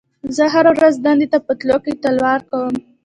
زه هره ورځ دندې ته په تللو کې تلوار کوم.